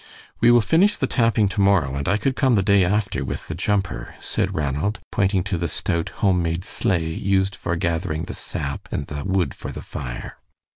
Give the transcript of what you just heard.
"We will finish the tapping to morrow, and I could come the day after with the jumper," said Ranald, pointing to the stout, home made sleigh used for gathering the sap and the wood for the fire.